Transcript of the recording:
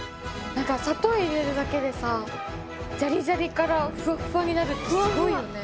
なんか砂糖入れるだけでさジャリジャリからふわっふわになるってすごいよね！